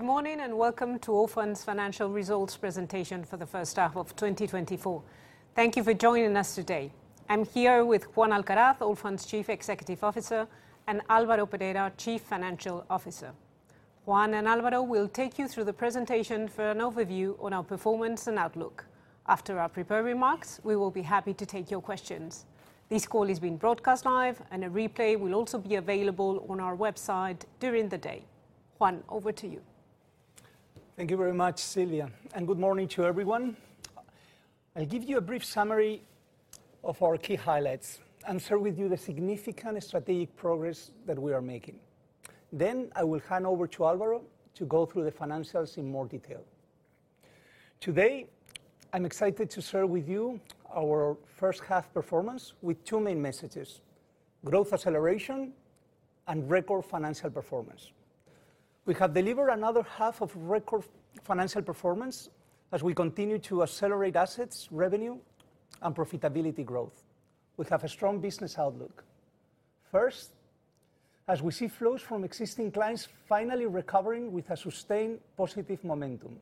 Good morning and welcome to Allfunds' financial results presentation for the first half of 2024. Thank you for joining us today. I'm here with Juan Alcaraz, Allfunds Chief Executive Officer, and Álvaro Perera, Chief Financial Officer. Juan and Álvaro will take you through the presentation for an overview on our performance and outlook. After our prepared remarks, we will be happy to take your questions. This call is being broadcast live, and a replay will also be available on our website during the day. Juan, over to you. Thank you very much, Silvia, and good morning to everyone. I'll give you a brief summary of our key highlights and share with you the significant strategic progress that we are making. Then I will hand over to Álvaro to go through the financials in more detail. Today, I'm excited to share with you our first half performance with two main messages: growth acceleration and record financial performance. We have delivered another half of record financial performance as we continue to accelerate assets, revenue, and profitability growth. We have a strong business outlook. First, as we see flows from existing clients finally recovering with a sustained positive momentum.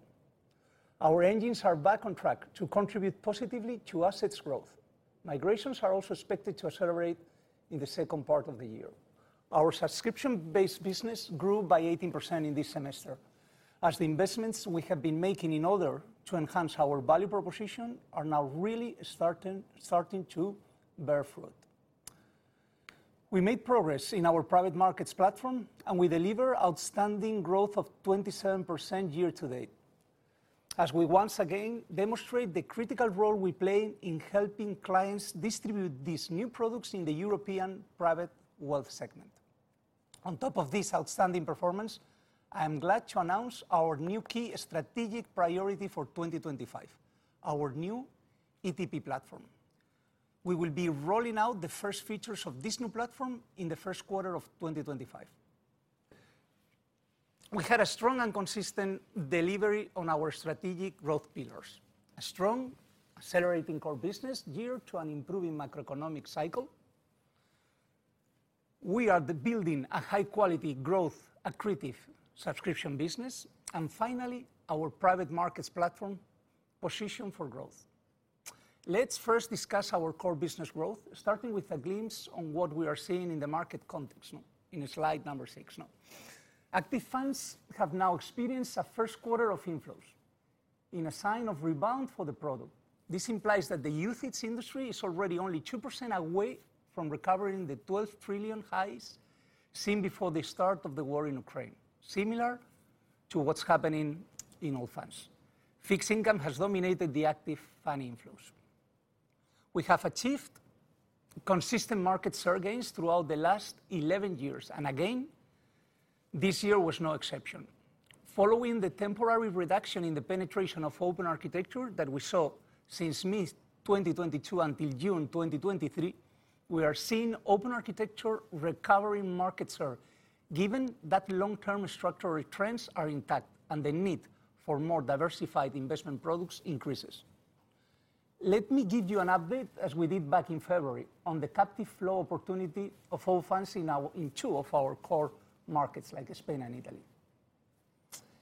Our engines are back on track to contribute positively to assets growth. Migrations are also expected to accelerate in the second part of the year. Our subscription-based business grew by 18% in this semester, as the investments we have been making in order to enhance our value proposition are now really starting to bear fruit. We made progress in our private markets platform, and we deliver outstanding growth of 27% year to date, as we once again demonstrate the critical role we play in helping clients distribute these new products in the European private wealth segment. On top of this outstanding performance, I'm glad to announce our new key strategic priority for 2025: our new ETP platform. We will be rolling out the first features of this new platform in the Q1 of 2025. We had a strong and consistent delivery on our strategic growth pillars, a strong accelerating core business geared to an improving macroeconomic cycle. We are building a high-quality growth-accretive subscription business, and finally, our private markets platform positioned for growth. Let's first discuss our core business growth, starting with a glimpse on what we are seeing in the market context in slide number 6. Active funds have now experienced a Q1 of inflows in a sign of rebound for the product. This implies that the European industry is already only 2% away from recovering the 12 trillion highs seen before the start of the war in Ukraine, similar to what's happening in Allfunds. Fixed income has dominated the active fund inflows. We have achieved consistent market share gains throughout the last 11 years, and again, this year was no exception. Following the temporary reduction in the penetration of open architecture that we saw since mid-2022 until June 2023, we are seeing open architecture recovering market share, given that long-term structural trends are intact and the need for more diversified investment products increases. Let me give you an update, as we did back in February, on the captive flow opportunity of Allfunds in two of our core markets, like Spain and Italy.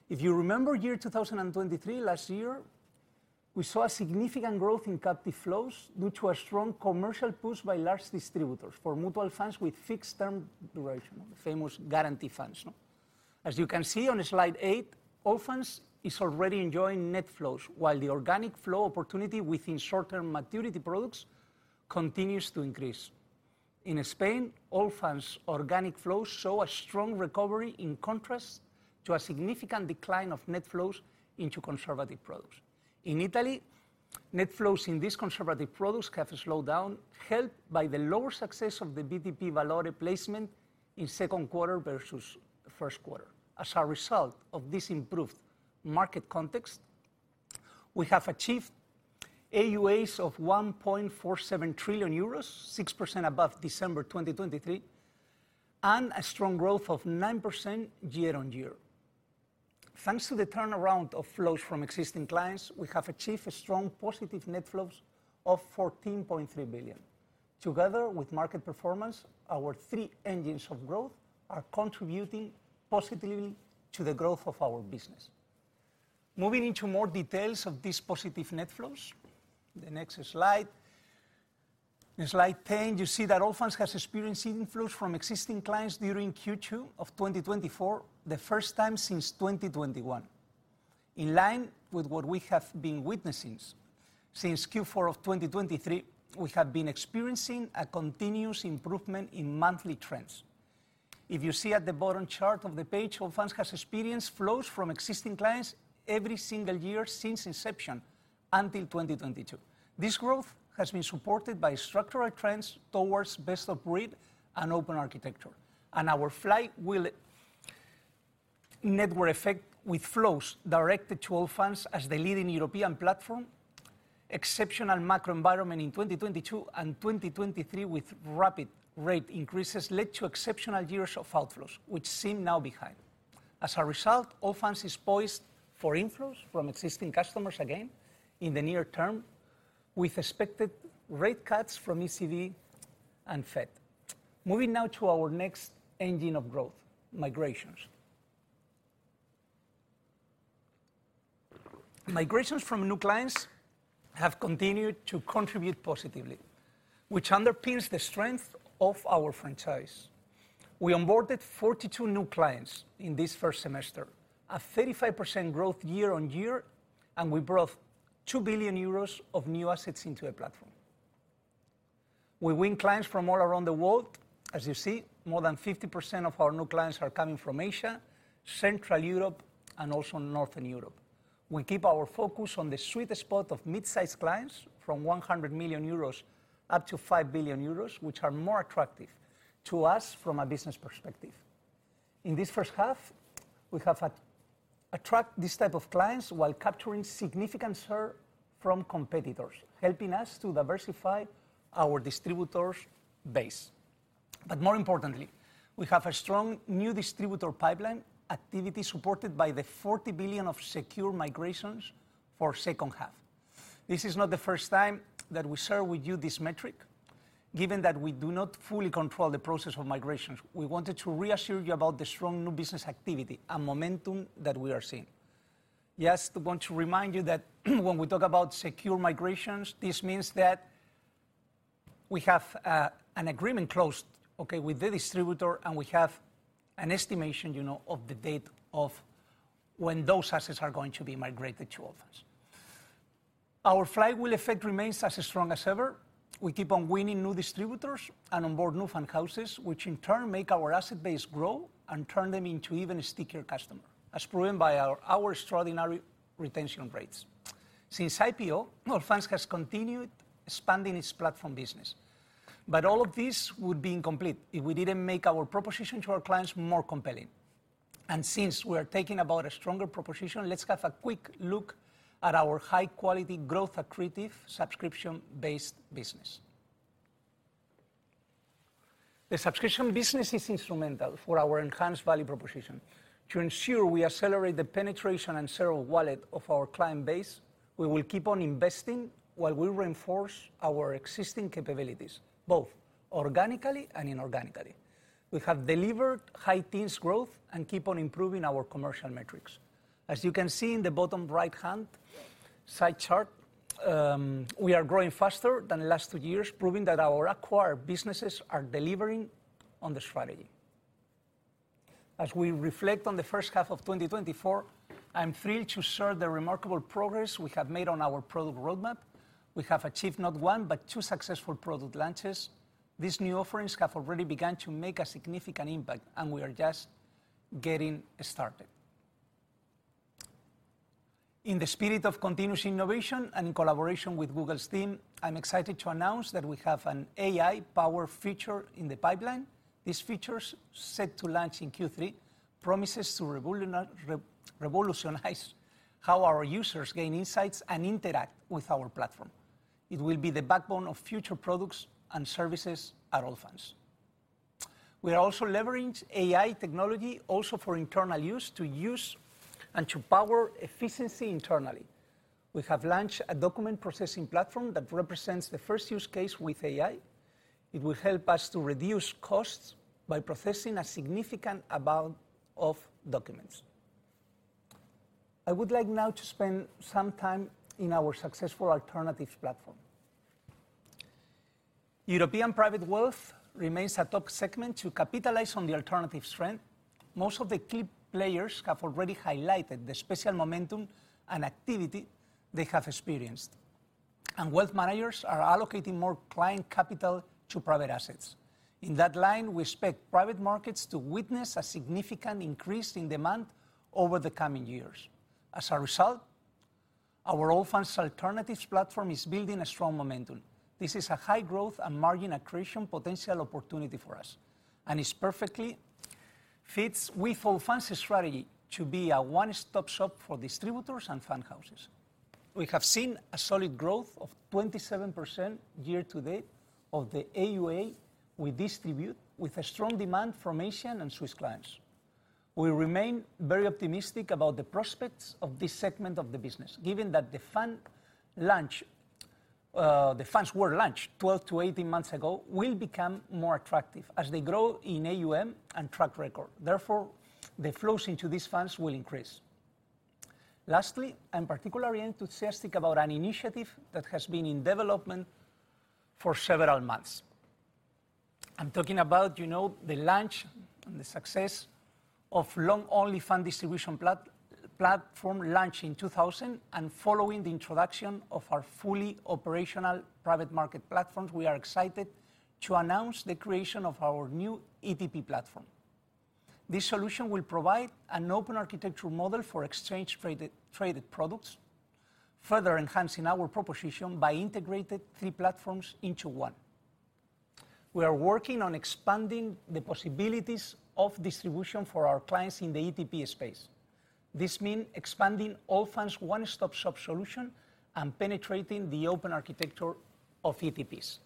If you remember year 2023, last year, we saw a significant growth in captive flows due to a strong commercial push by large distributors for mutual funds with fixed term duration, the famous guarantee funds. As you can see on slide 8, Allfunds are already enjoying net flows, while the organic flow opportunity within short-term maturity products continues to increase. In Spain, Allfunds' organic flows show a strong recovery in contrast to a significant decline of net flows into conservative products. In Italy, net flows in these conservative products have slowed down, helped by the lower success of the BTP Valore replacement in Q1 versus Q1. As a result of this improved market context, we have achieved AUAs of €1.47 trillion, 6% above December 2023, and a strong growth of 9% year-on-year. Thanks to the turnaround of flows from existing clients, we have achieved strong positive net flows of €14.3 billion. Together with market performance, our three engines of growth are contributing positively to the growth of our business. Moving into more details of these positive net flows, the next slide, slide 10, you see that Allfunds has experienced inflows from existing clients during Q2 of 2024, the first time since 2021. In line with what we have been witnessing since Q4 of 2023, we have been experiencing a continuous improvement in monthly trends. If you see at the bottom chart of the page, Allfunds has experienced flows from existing clients every single year since inception until 2022. This growth has been supported by structural trends towards best-of-breed and open architecture, and our flywheel network effect with flows directed to Allfunds as the leading European platform. Exceptional macro environment in 2022 and 2023 with rapid rate increases led to exceptional years of outflows, which seem now behind. As a result, Allfunds is poised for inflows from existing customers again in the near term with expected rate cuts from ECB and Fed. Moving now to our next engine of growth, migrations. Migrations from new clients have continued to contribute positively, which underpins the strength of our franchise. We onboarded 42 new clients in this first semester, a 35% growth year-over-year, and we brought 2 billion euros of new assets into a platform. We win clients from all around the world. As you see, more than 50% of our new clients are coming from Asia, Central Europe, and also Northern Europe. We keep our focus on the sweet spot of mid-size clients from 100 million euros up to 5 billion euros, which are more attractive to us from a business perspective. In this first half, we have attracted this type of clients while capturing significant share from competitors, helping us to diversify our distributors' base. But more importantly, we have a strong new distributor pipeline activity supported by the 40 billion of secure migrations for the second half. This is not the first time that we share with you this metric. Given that we do not fully control the process of migrations, we wanted to reassure you about the strong new business activity and momentum that we are seeing. Just want to remind you that when we talk about secure migrations, this means that we have an agreement closed with the distributor, and we have an estimation of the date of when those assets are going to be migrated to Allfunds. Our flow effect remains as strong as ever. We keep on winning new distributors and onboard new fund houses, which in turn make our asset base grow and turn them into even a stickier customer, as proven by our extraordinary retention rates. Since IPO, Allfunds has continued expanding its platform business. All of this would be incomplete if we didn't make our proposition to our clients more compelling. Since we are talking about a stronger proposition, let's have a quick look at our high-quality growth-accretive subscription-based business. The subscription business is instrumental for our enhanced value proposition. To ensure we accelerate the penetration and serve the wallet of our client base, we will keep on investing while we reinforce our existing capabilities, both organically and inorganically. We have delivered high-teens growth and keep on improving our commercial metrics. As you can see in the bottom right-hand side chart, we are growing faster than the last 2 years, proving that our acquired businesses are delivering on the strategy. As we reflect on the first half of 2024, I'm thrilled to share the remarkable progress we have made on our product roadmap. We have achieved not one, but 2 successful product launches. These new offerings have already begun to make a significant impact, and we are just getting started. In the spirit of continuous innovation and in collaboration with Google's team, I'm excited to announce that we have an AI-powered feature in the pipeline. This feature, set to launch in Q3, promises to revolutionize how our users gain insights and interact with our platform. It will be the backbone of future products and services at Allfunds. We are also leveraging AI technology also for internal use to use and to power efficiency internally. We have launched a document processing platform that represents the first use case with AI. It will help us to reduce costs by processing a significant amount of documents. I would like now to spend some time in our successful alternative platform. European private wealth remains a top segment to capitalize on the alternative strength. Most of the key players have already highlighted the special momentum and activity they have experienced, and wealth managers are allocating more client capital to private assets. In that line, we expect private markets to witness a significant increase in demand over the coming years. As a result, our Allfunds Alternative Platform is building a strong momentum. This is a high growth and margin accretion potential opportunity for us, and it perfectly fits with Allfunds' strategy to be a one-stop shop for distributors and fund houses. We have seen a solid growth of 27% year to date of the AUA we distribute, with a strong demand from Asian and Swiss clients. We remain very optimistic about the prospects of this segment of the business, given that the fund launched 12-18 months ago will become more attractive as they grow in AUM and track record. Therefore, the flows into these funds will increase. Lastly, I'm particularly enthusiastic about an initiative that has been in development for several months. I'm talking about the launch and the success of the long-only fund distribution platform launched in 2000, and following the introduction of our fully operational private market platforms, we are excited to announce the creation of our new ETP platform. This solution will provide an open architecture model for exchange-traded products, further enhancing our proposition by integrating three platforms into one. We are working on expanding the possibilities of distribution for our clients in the ETP space. This means expanding Allfunds' one-stop shop solution and penetrating the open architecture of ETPs.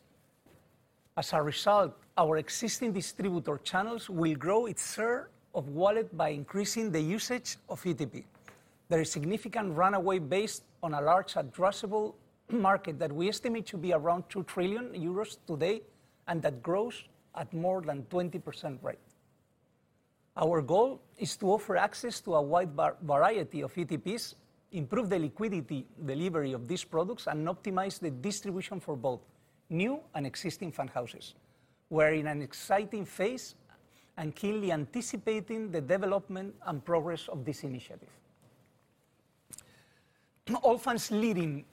As a result, our existing distributor channels will grow its share of wallet by increasing the usage of ETP. There is significant runway based on a large addressable market that we estimate to be around 2 trillion euros today and that grows at more than 20% rate. Our goal is to offer access to a wide variety of ETPs, improve the liquidity delivery of these products, and optimize the distribution for both new and existing fund houses. We're in an exciting phase and keenly anticipating the development and progress of this initiative. Allfunds' leading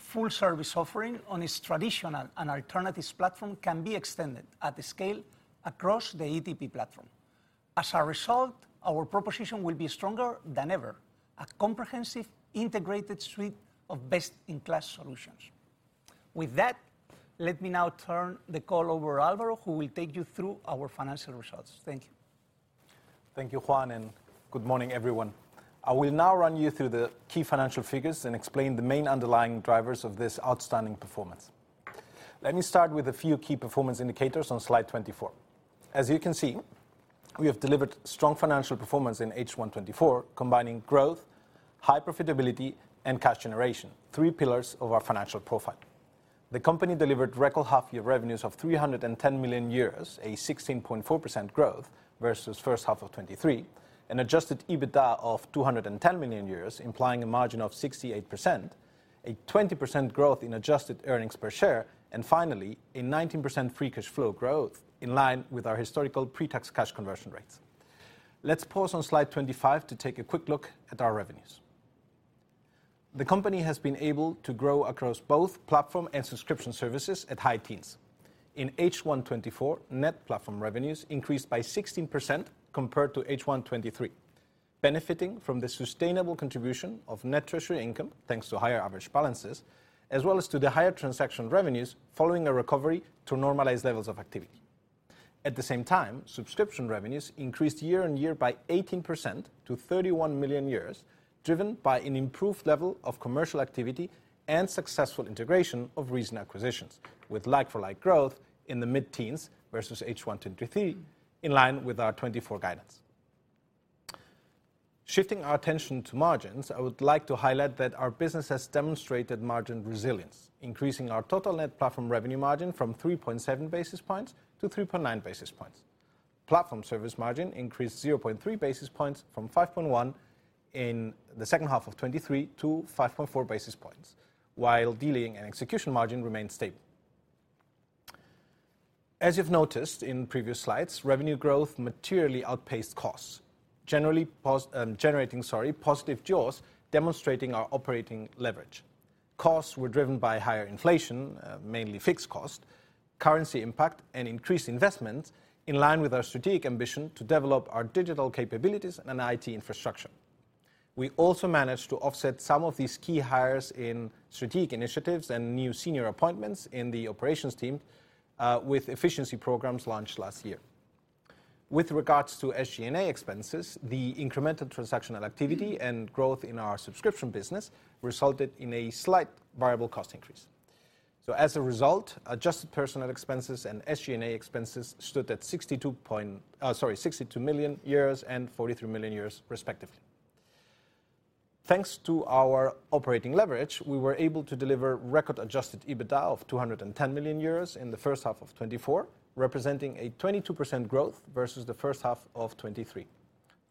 full-service offering on its traditional and alternative platform can be extended at a scale across the ETP platform. As a result, our proposition will be stronger than ever, a comprehensive integrated suite of best-in-class solutions. With that, let me now turn the call over to Álvaro, who will take you through our financial results. Thank you. Thank you, Juan, and good morning, everyone. I will now run you through the key financial figures and explain the main underlying drivers of this outstanding performance. Let me start with a few key performance indicators on slide 24. As you can see, we have delivered strong financial performance in H124, combining growth, high profitability, and cash generation, three pillars of our financial profile. The company delivered record half-year revenues of 310 million euros, a 16.4% growth versus the first half of 2023, an adjusted EBITDA of 210 million euros, implying a margin of 68%, a 20% growth in adjusted earnings per share, and finally, a 19% free cash flow growth in line with our historical pre-tax cash conversion rates. Let's pause on slide 25 to take a quick look at our revenues. The company has been able to grow across both platform and subscription services at high teens. In H124, net platform revenues increased by 16% compared to H123, benefiting from the sustainable contribution of net treasury income thanks to higher average balances, as well as to the higher transaction revenues following a recovery to normalized levels of activity. At the same time, subscription revenues increased year-on-year by 18% to 31 million, driven by an improved level of commercial activity and successful integration of recent acquisitions, with like-for-like growth in the mid-teens versus H1 2023, in line with our 2024 guidance. Shifting our attention to margins, I would like to highlight that our business has demonstrated margin resilience, increasing our total net platform revenue margin from 3.7 basis points to 3.9 basis points. Platform service margin increased 0.3 basis points from 5.1 in the second half of 2023 to 5.4 basis points, while dealing and execution margin remained stable. As you've noticed in previous slides, revenue growth materially outpaced costs, generating positive jaws demonstrating our operating leverage. Costs were driven by higher inflation, mainly fixed cost, currency impact, and increased investment, in line with our strategic ambition to develop our digital capabilities and IT infrastructure. We also managed to offset some of these key hires in strategic initiatives and new senior appointments in the operations team, with efficiency programs launched last year. With regards to SG&A expenses, the incremental transactional activity and growth in our subscription business resulted in a slight variable cost increase. So, as a result, adjusted personal expenses and SG&A expenses stood at 62 million and 43 million, respectively. Thanks to our operating leverage, we were able to deliver record-adjusted EBITDA of 210 million euros in the first half of 2024, representing a 22% growth versus the first half of 2023.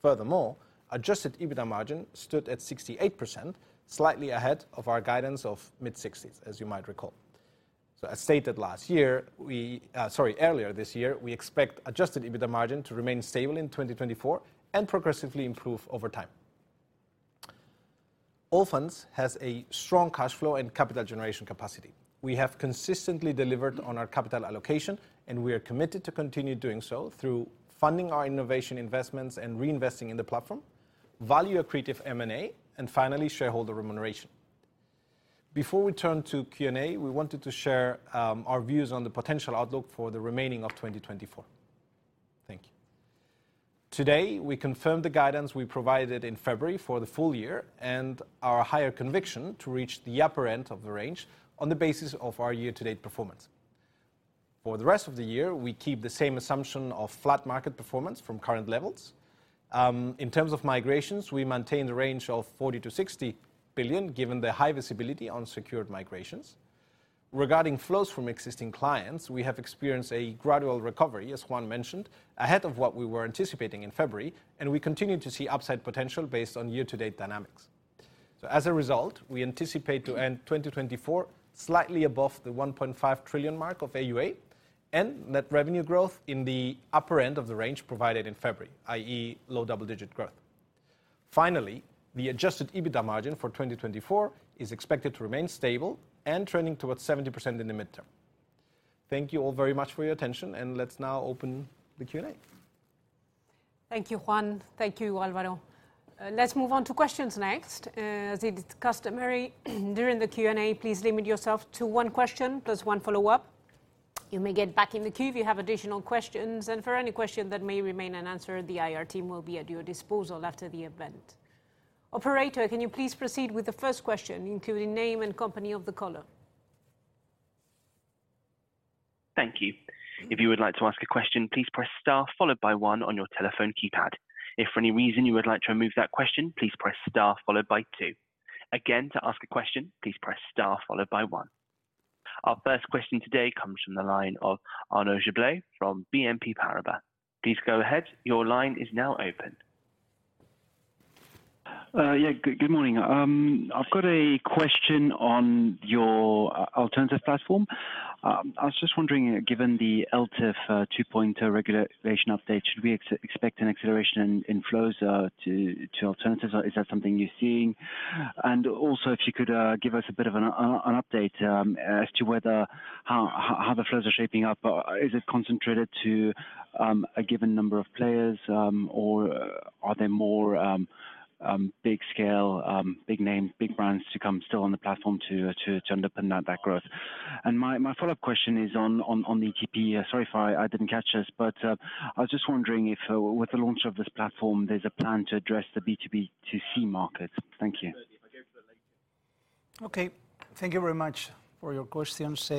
Furthermore, adjusted EBITDA margin stood at 68%, slightly ahead of our guidance of mid-sixties, as you might recall. So, as stated last year, sorry, earlier this year, we expect adjusted EBITDA margin to remain stable in 2024 and progressively improve over time. Allfunds has a strong cash flow and capital generation capacity. We have consistently delivered on our capital allocation, and we are committed to continue doing so through funding our innovation investments and reinvesting in the platform, value-accretive M&A, and finally, shareholder remuneration. Before we turn to Q&A, we wanted to share our views on the potential outlook for the remaining of 2024. Thank you. Today, we confirmed the guidance we provided in February for the full year and our higher conviction to reach the upper end of the range on the basis of our year-to-date performance. For the rest of the year, we keep the same assumption of flat market performance from current levels. In terms of migrations, we maintain the range of €40 billion-€60 billion, given the high visibility on secured migrations. Regarding flows from existing clients, we have experienced a gradual recovery, as Juan mentioned, ahead of what we were anticipating in February, and we continue to see upside potential based on year-to-date dynamics. So, as a result, we anticipate to end 2024 slightly above the 1.5 trillion mark of AUA and net revenue growth in the upper end of the range provided in February, i.e., low double-digit growth. Finally, the adjusted EBITDA margin for 2024 is expected to remain stable and trending towards 70% in the midterm. Thank you all very much for your attention, and let's now open the Q&A. Thank you, Juan. Thank you, Álvaro. Let's move on to questions next. As it is customary during the Q&A, please limit yourself to one question plus one follow-up. You may get back in the queue if you have additional questions. For any question that may remain unanswered, the IR team will be at your disposal after the event. Operator, can you please proceed with the first question, including name and company of the caller? Thank you. If you would like to ask a question, please press star followed by one on your telephone keypad. If for any reason you would like to remove that question, please press star followed by two. Again, to ask a question, please press star followed by one. Our first question today comes from the line of Arnaud Gebler from BNP Paribas. Please go ahead. Your line is now open. Yeah, good morning. I've got a question on your alternative platform. I was just wondering, given the ELTIF 2.0 regulation update, should we expect an acceleration in flows to alternatives? Is that something you're seeing? And also, if you could give us a bit of an update as to how the flows are shaping up. Is it concentrated to a given number of players, or are there more big-scale, big-name, big brands to come still on the platform to underpin that growth? And my follow-up question is on the ETP. Sorry if I didn't catch this, but I was just wondering if, with the launch of this platform, there's a plan to address the B2B2C market. Thank you. Okay. Thank you very much for your questions.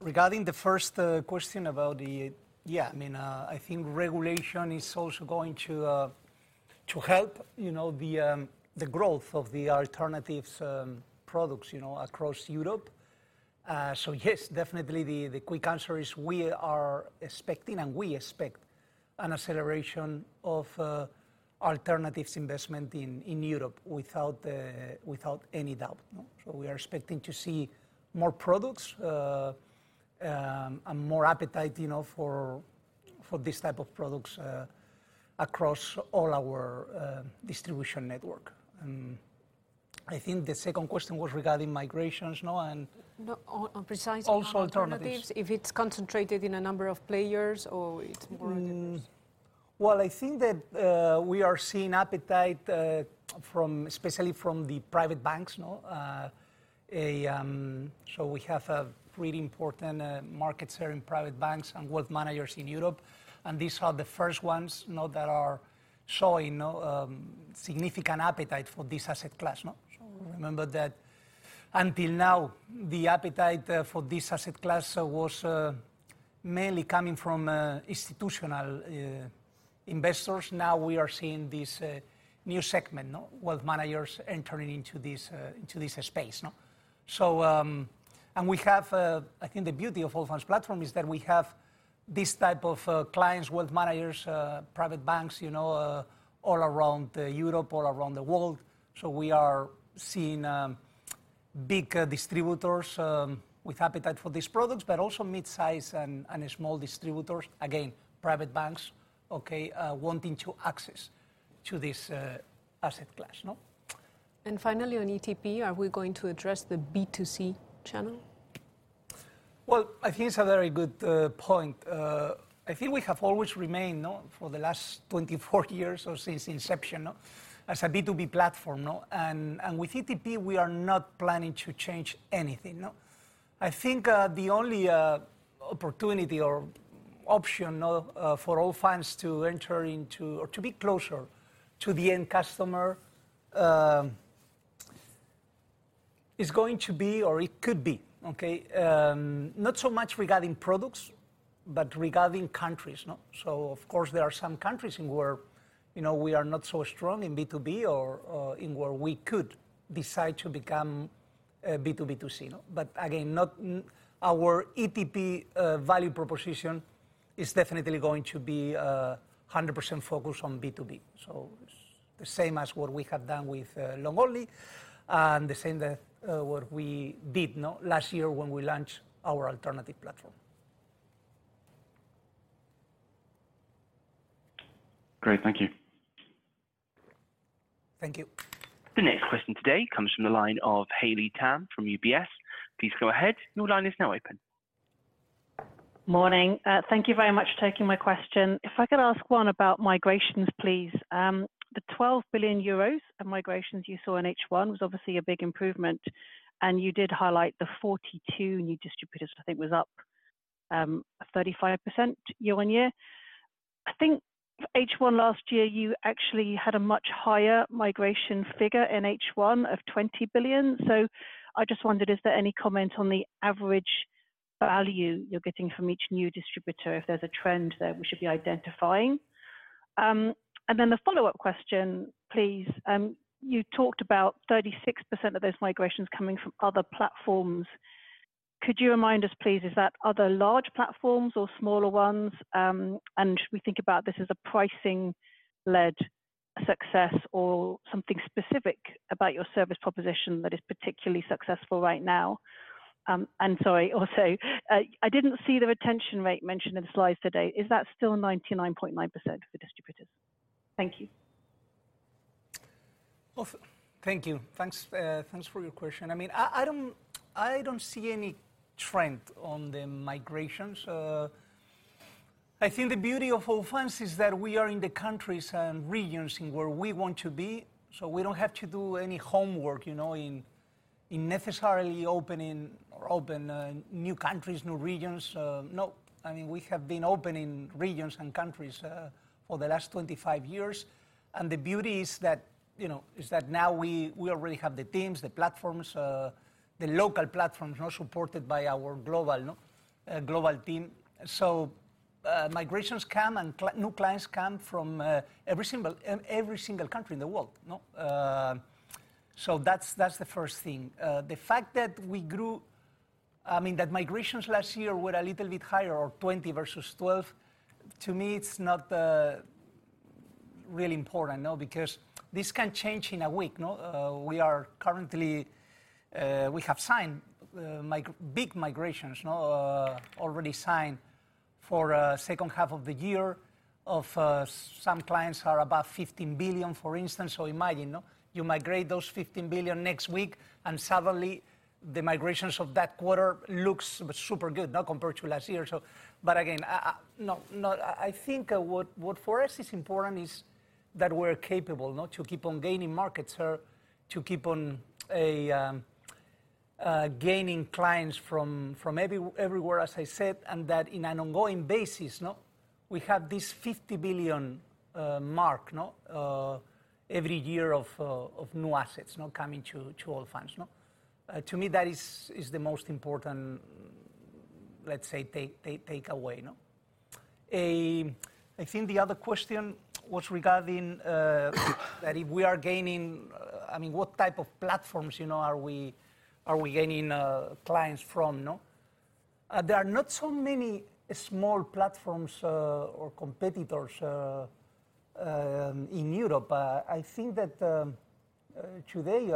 Regarding the first question about the, yeah, I mean, I think regulation is also going to help the growth of the alternatives products across Europe. So yes, definitely, the quick answer is we are expecting, and we expect an acceleration of alternatives investment in Europe without any doubt. So we are expecting to see more products and more appetite for these types of products across all our distribution network. I think the second question was regarding migrations, no? And precisely. Also alternatives, if it's concentrated in a number of players or it's more? Well, I think that we are seeing appetite, especially from the private banks. So we have a pretty important market share in private banks and wealth managers in Europe. And these are the first ones that are showing significant appetite for this asset class. Remember that until now, the appetite for this asset class was mainly coming from institutional investors. Now we are seeing this new segment, wealth managers entering into this space. And we have, I think the beauty of Allfunds' platform is that we have this type of clients, wealth managers, private banks all around Europe, all around the world. So we are seeing big distributors with appetite for these products, but also mid-size and small distributors, again, private banks, okay, wanting to access this asset class. And finally, on ETP, are we going to address the B2C channel? Well, I think it's a very good point. I think we have always remained for the last 24 years or since inception as a B2B platform. And with ETP, we are not planning to change anything. I think the only opportunity or option for Allfunds to enter into or to be closer to the end customer is going to be, or it could be, okay, not so much regarding products, but regarding countries. So of course, there are some countries where we are not so strong in B2B or where we could decide to become B2B2C. But again, our ETP value proposition is definitely going to be 100% focused on B2B. So it's the same as what we have done with Long-only and the same as what we did last year when we launched our alternative platform. Great. Thank you. Thank you. The next question today comes from the line of Haley Tam from UBS. Please go ahead. Your line is now open. Morning. Thank you very much for taking my question. If I could ask one about migrations, please. The 12 billion euros of migrations you saw in H1 was obviously a big improvement. And you did highlight the 42 new distributors, which I think was up 35% year-over-year. I think for H1 last year, you actually had a much higher migration figure in H1 of 20 billion. So I just wondered, is there any comment on the average value you're getting from each new distributor, if there's a trend that we should be identifying? And then the follow-up question, please. You talked about 36% of those migrations coming from other platforms. Could you remind us, please, is that other large platforms or smaller ones? And we think about this as a pricing-led success or something specific about your service proposition that is particularly successful right now. And sorry, also, I didn't see the retention rate mentioned in the slides today. Is that still 99.9% for distributors? Thank you. Thank you. Thanks for your question. I mean, I don't see any trend on the migrations. I think the beauty of Allfunds is that we are in the countries and regions where we want to be. So we don't have to do any homework in necessarily opening or open new countries, new regions. No. I mean, we have been opening regions and countries for the last 25 years. The beauty is that now we already have the teams, the platforms, the local platforms supported by our global team. So migrations come and new clients come from every single country in the world. So that's the first thing. The fact that we grew, I mean, that migrations last year were a little bit higher, or 20 versus 12, to me, it's not really important, because this can change in a week. We have signed big migrations, already signed for the second half of the year. Some clients are about 15 billion, for instance. So imagine you migrate those 15 billion next week, and suddenly the migrations of that quarter look super good compared to last year. But again, I think what for us is important is that we're capable to keep on gaining market share, to keep on gaining clients from everywhere, as I said, and that on an ongoing basis, we have this €50 billion mark every year of new assets coming to Allfunds. To me, that is the most important, let's say, takeaway. I think the other question was regarding that if we are gaining, I mean, what type of platforms are we gaining clients from? There are not so many small platforms or competitors in Europe. I think that today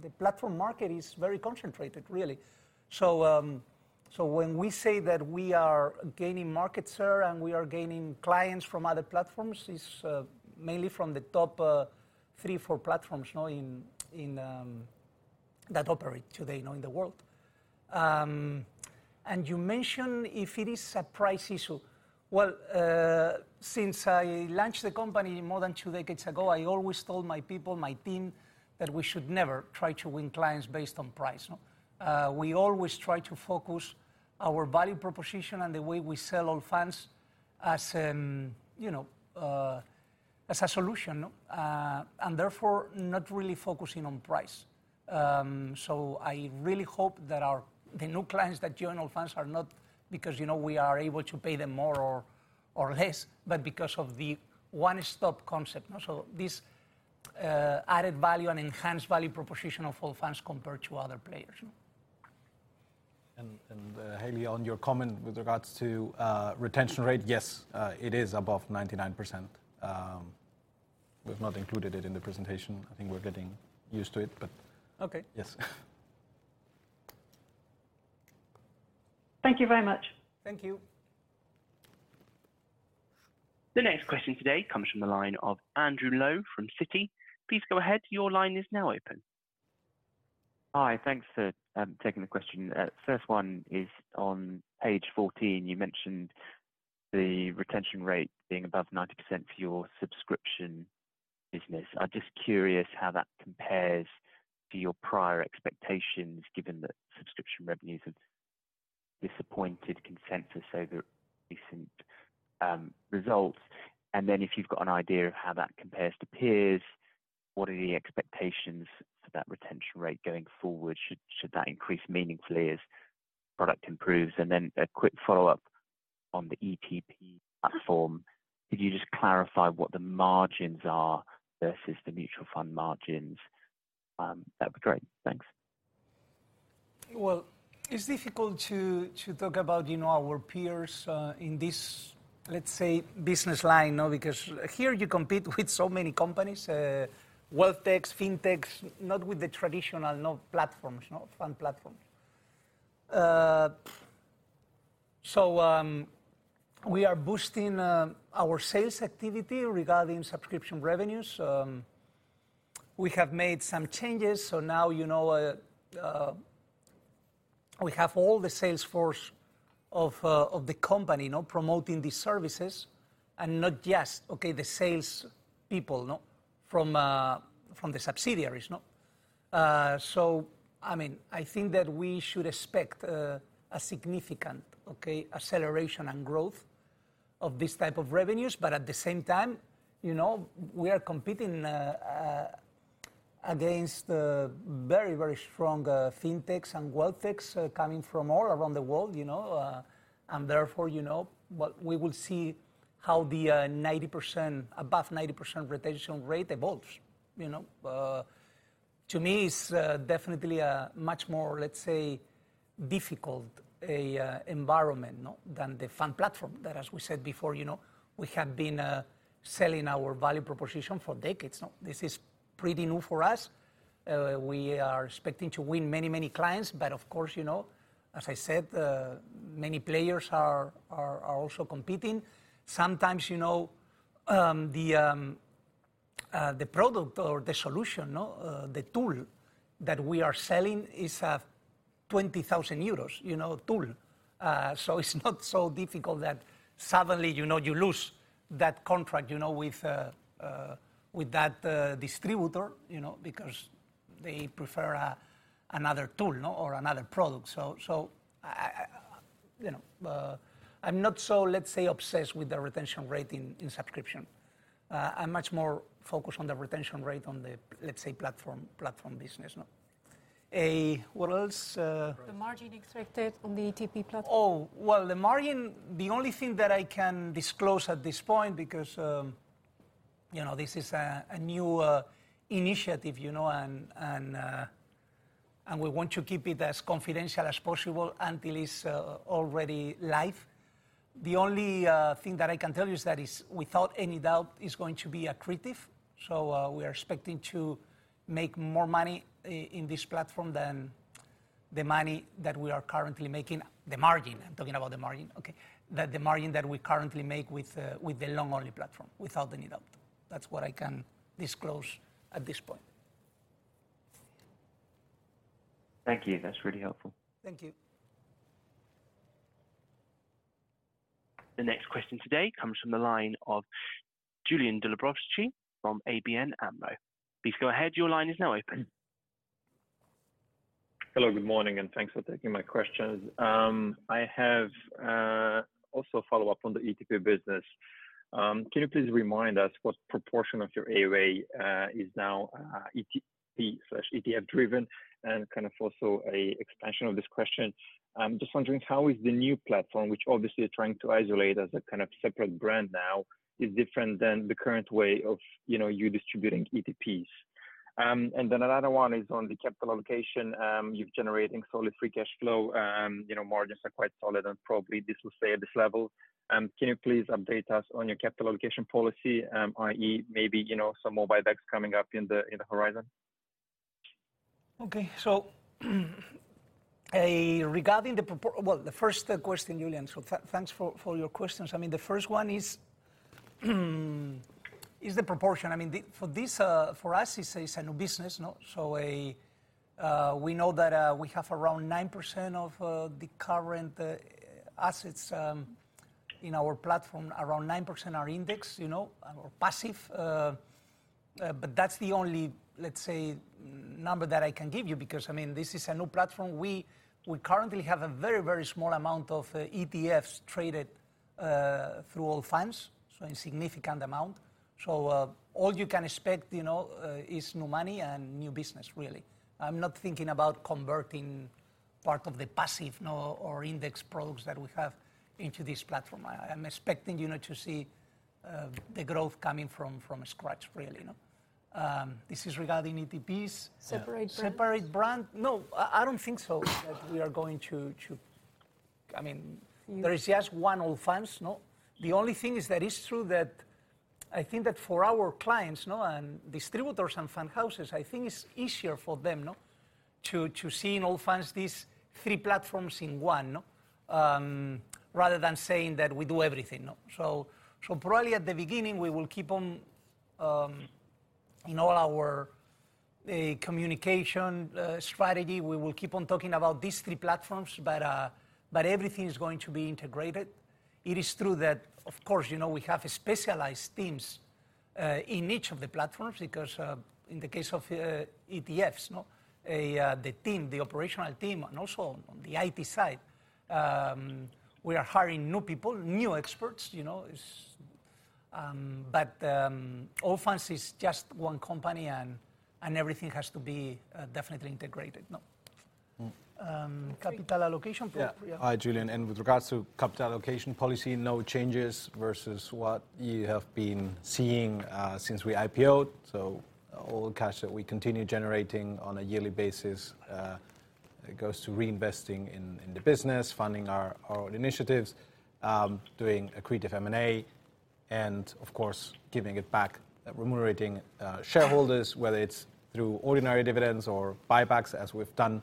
the platform market is very concentrated, really. So when we say that we are gaining market share and we are gaining clients from other platforms, it's mainly from the top 3-4 platforms that operate today in the world. And you mentioned if it is a price issue. Well, since I launched the company more than two decades ago, I always told my people, my team, that we should never try to win clients based on price. We always try to focus our value proposition and the way we sell Allfunds as a solution, and therefore not really focusing on price. So I really hope that the new clients that join Allfunds are not because we are able to pay them more or less, but because of the one-stop concept. So this added value and enhanced value proposition of Allfunds compared to other players. And Hayley, on your comment with regards to retention rate, yes, it is above 99%. We've not included it in the presentation. I think we're getting used to it, but yes. Thank you very much. Thank you. The next question today comes from the line of Andrew Lowe from Citi. Please go ahead. Your line is now open. Hi. Thanks for taking the question. First one is on page 14. You mentioned the retention rate being above 90% for your subscription business. I'm just curious how that compares to your prior expectations, given that subscription revenues have disappointed consensus over recent results. And then if you've got an idea of how that compares to peers, what are the expectations for that retention rate going forward? Should that increase meaningfully as product improves? And then a quick follow-up on the ETP platform. Could you just clarify what the margins are versus the mutual fund margins? That would be great. Thanks. `Well, it's difficult to talk about our peers in this, let's say, business line, because here you compete with so many companies, wealth techs, fintechs, not with the traditional platforms, fund platforms. So we are boosting our sales activity regarding subscription revenues. We have made some changes. So now we have all the sales force of the company promoting these services and not just, okay, the sales people from the subsidiaries. So I mean, I think that we should expect a significant acceleration and growth of this type of revenues. But at the same time, we are competing against very, very strong fintechs and wealth techs coming from all around the world. And therefore, we will see how the above 90% retention rate evolves. To me, it's definitely a much more, let's say, difficult environment than the fund platform. That, as we said before, we have been selling our value proposition for decades. This is pretty new for us. We are expecting to win many, many clients. But of course, as I said, many players are also competing. Sometimes the product or the solution, the tool that we are selling is a €20,000 tool. So it's not so difficult that suddenly you lose that contract with that distributor because they prefer another tool or another product. So I'm not so, let's say, obsessed with the retention rate in subscription. I'm much more focused on the retention rate on the, let's say, platform business. What else? The margin expected on the ETP platform. Oh, well, the margin, the only thing that I can disclose at this point, because this is a new initiative, and we want to keep it as confidential as possible until it's already live. The only thing that I can tell you is that it's, without any doubt, it's going to be accretive. So we are expecting to make more money in this platform than the money that we are currently making, the margin. I'm talking about the margin, okay, the margin that we currently make with the Long-only Platform, without any doubt. That's what I can disclose at this point. Thank you. That's really helpful. Thank you. The next question today comes from the line of Julian Deliberovsky from ABN AMRO. Please go ahead. Your line is now open. Hello, good morning, and thanks for taking my questions. I have also a follow-up on the ETP business. Can you please remind us what proportion of your AUA is now ETP/ETF-driven and kind of also an expansion of this question? I'm just wondering how is the new platform, which obviously you're trying to isolate as a kind of separate brand now, different than the current way of you distributing ETPs? And then another one is on the capital allocation. You're generating solid free cash flow. Margins are quite solid, and probably this will stay at this level. Can you please update us on your capital allocation policy, i.e., maybe some more buybacks coming up in the horizon? Okay. So regarding the proportion, well, the first question, Julian, so thanks for your questions. I mean, the first one is the proportion. I mean, for us, it's a new business. So we know that we have around 9% of the current assets in our platform, around 9% are indexed or passive. But that's the only, let's say, number that I can give you, because I mean, this is a new platform. We currently have a very, very small amount of ETFs traded through Allfunds, so a significant amount. So all you can expect is new money and new business, really. I'm not thinking about converting part of the passive or indexed products that we have into this platform. I'm expecting to see the growth coming from scratch, really. This is regarding ETPs. Separate brand? Separate brand. No, I don't think so that we are going to, I mean, there is just one Allfunds. The only thing is that it's true that I think that for our clients and distributors and fund houses, I think it's easier for them to see in Allfunds these three platforms in one rather than saying that we do everything. So probably at the beginning, we will keep on in all our communication strategy, we will keep on talking about these three platforms, but everything is going to be integrated. It is true that, of course, we have specialized teams in each of the platforms because in the case of ETFs, the team, the operational team, and also on the IT side, we are hiring new people, new experts. But Allfunds is just one company, and everything has to be definitely integrated. Capital allocation? Hi, Julian. And with regards to capital allocation policy, no changes versus what you have been seeing since we IPO'd. So all cash that we continue generating on a yearly basis goes to reinvesting in the business, funding our own initiatives, doing accretive M&A, and of course, giving it back, remunerating shareholders, whether it's through ordinary dividends or buybacks as we've done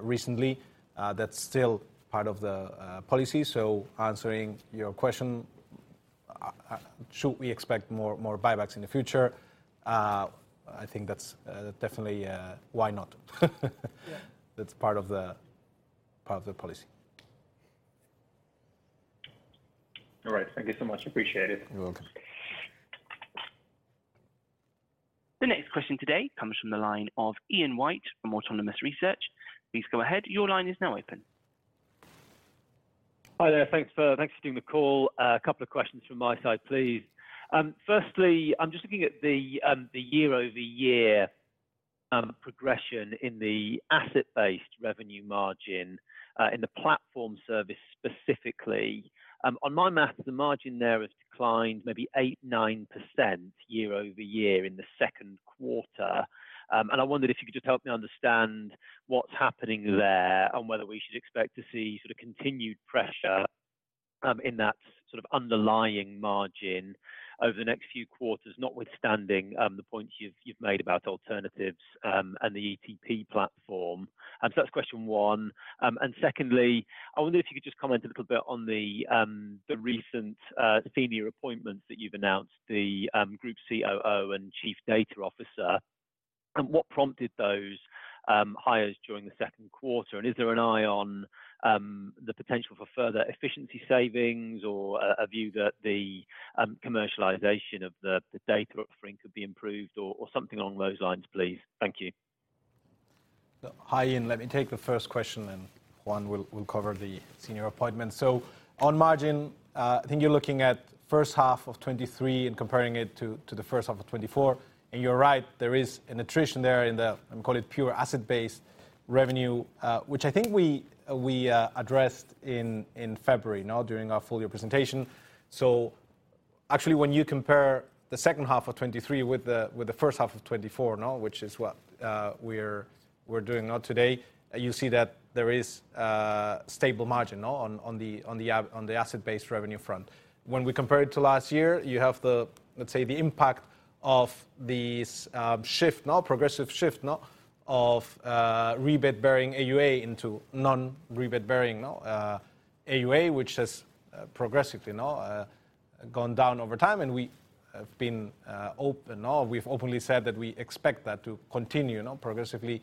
recently. That's still part of the policy. So answering your question, should we expect more buybacks in the future? I think that's definitely why not. That's part of the policy. All right. Thank you so much. Appreciate it. You're welcome. The next question today comes from the line of Ian White from Autonomous Research. Please go ahead. Your line is now open. Hi there. Thanks for doing the call. A couple of questions from my side, please. Firstly, I'm just looking at the year-over-year progression in the asset-based revenue margin in the platform service specifically. On my maths, the margin there has declined maybe 8%, 9% year-over-year in the Q1. And I wondered if you could just help me understand what's happening there and whether we should expect to see sort of continued pressure in that sort of underlying margin over the next few quarters, notwithstanding the points you've made about alternatives and the ETP platform. So that's question one. And secondly, I wondered if you could just comment a little bit on the recent senior appointments that you've announced, the Group COO and Chief Data Officer. What prompted those hires during the Q1? And is there an eye on the potential for further efficiency savings or a view that the commercialization of the data offering could be improved or something along those lines, please? Thank you. Hi, Ian. Let me take the first question, and Juan will cover the senior appointments. On margin, I think you're looking at first half of 2023 and comparing it to the first half of 2024. You're right, there is an attrition there in the, I'm going to call it, pure asset-based revenue, which I think we addressed in February during our full year presentation. So actually, when you compare the second half of 2023 with the first half of 2024, which is what we're doing today, you see that there is a stable margin on the asset-based revenue front. When we compare it to last year, you have, let's say, the impact of this shift, progressive shift of rebate-bearing AUA into non-rebate-bearing AUA, which has progressively gone down over time. And we've openly said that we expect that to continue progressively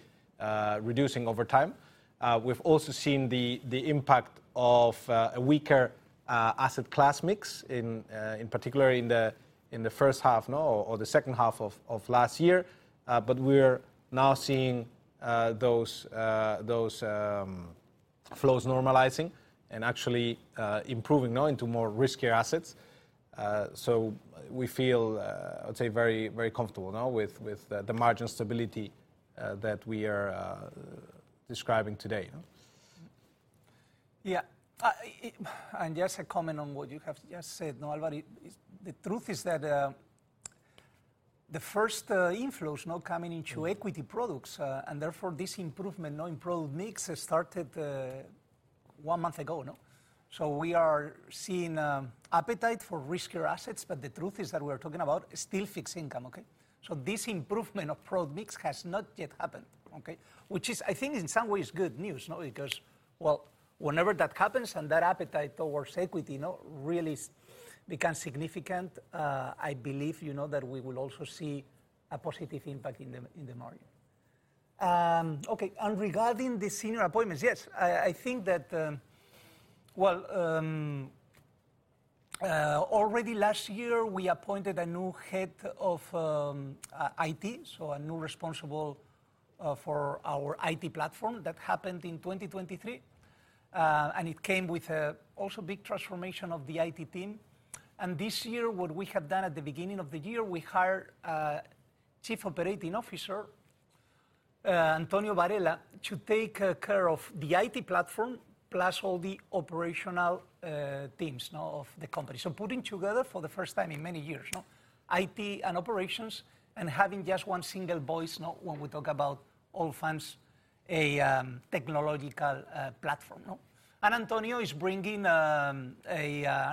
reducing over time. We've also seen the impact of a weaker asset class mix, in particular in the first half or the second half of last year. But we're now seeing those flows normalizing and actually improving into more riskier assets. So we feel, I'd say, very comfortable with the margin stability that we are describing today. Yeah. And just a comment on what you have just said, Álvaro. The truth is that the first inflows coming into equity products, and therefore this improvement in product mix started one month ago. We are seeing appetite for riskier assets, but the truth is that we are talking about still fixed income. This improvement of product mix has not yet happened, which is, I think, in some ways good news because, well, whenever that happens and that appetite towards equity really becomes significant, I believe that we will also see a positive impact in the margin. Okay. Regarding the senior appointments, yes, I think that, well, already last year, we appointed a new head of IT, so a new responsible for our IT platform. That happened in 2023, and it came with also a big transformation of the IT team. And this year, what we have done at the beginning of the year, we hired Chief Operating Officer Antonio Varela to take care of the IT platform plus all the operational teams of the company. So putting together for the first time in many years IT and operations and having just one single voice when we talk about Allfunds, a technological platform. And Antonio is bringing and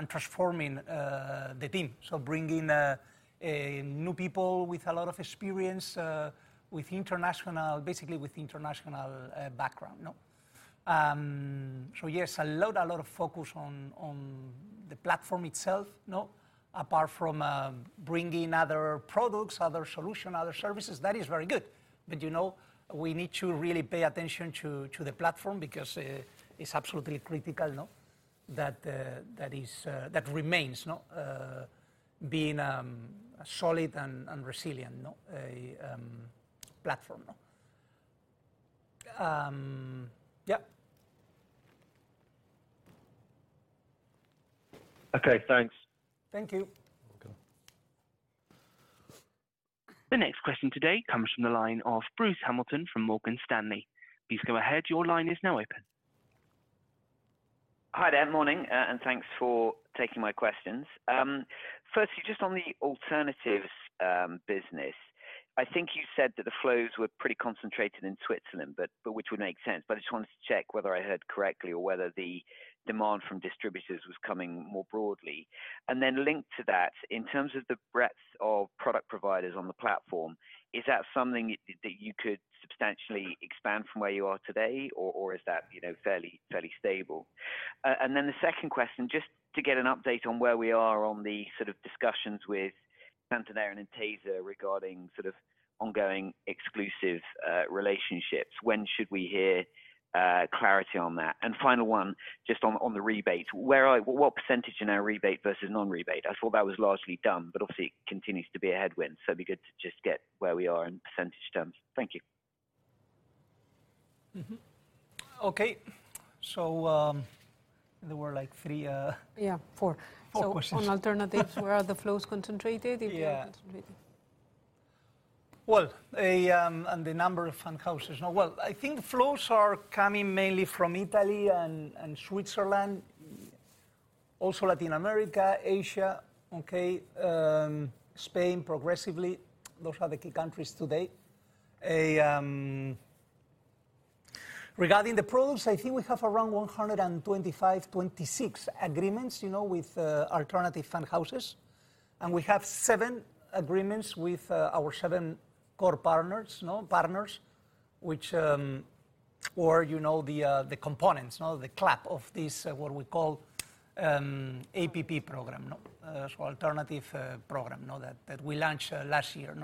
transforming the team, so bringing new people with a lot of experience, basically with international background. So yes, a lot of focus on the platform itself, apart from bringing other products, other solutions, other services. That is very good. But we need to really pay attention to the platform because it's absolutely critical that it remains being a solid and resilient platform. Yeah. Okay. Thanks. Thank you. You're welcome. The next question today comes from the line of Bruce Hamilton from Morgan Stanley. Please go ahead. Your line is now open. Hi there. Morning, and thanks for taking my questions. Firstly, just on the alternatives business, I think you said that the flows were pretty concentrated in Switzerland, which would make sense, but I just wanted to check whether I heard correctly or whether the demand from distributors was coming more broadly. And then linked to that, in terms of the breadth of product providers on the platform, is that something that you could substantially expand from where you are today, or is that fairly stable? And then the second question, just to get an update on where we are on the sort of discussions with Santander and Intesa regarding sort of ongoing exclusive relationships. When should we hear clarity on that? And final one, just on the rebates, what percentage in our rebate versus non-rebate? I thought that was largely done, but obviously, it continues to be a headwind. So it'd be good to just get where we are in percentage terms. Thank you. Okay. So there were like three. Yeah, four. Four questions. Four questions. On alternatives, where are the flows concentrated? Yeah. Well, and the number of fund houses. Well, I think flows are coming mainly from Italy and Switzerland, also Latin America, Asia, Spain progressively. Those are the key countries today. Regarding the products, I think we have around 125-126 agreements with alternative fund houses. And we have 7 agreements with our 7 core partners, which were the components, the core of this, what we call APP program, so alternative program that we launched last year.